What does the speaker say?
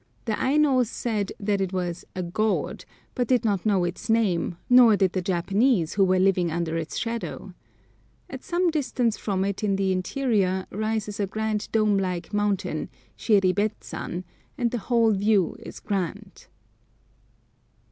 The Ainos said that it was "a god," but did not know its name, nor did the Japanese who were living under its shadow. At some distance from it in the interior rises a great dome like mountain, Shiribetsan, and the whole view is grand.